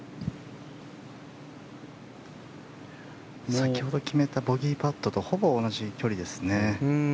先ほど決めたボギーパットとほぼ同じ距離ですね。